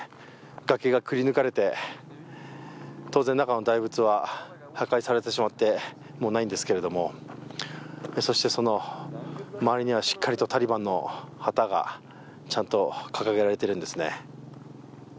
崖がくり抜かれて当然中の大仏は破壊されてしまってもうないんですけれども、そして、その周りにはしっかりとタリバンの旗がちゃんと掲げられているんですね。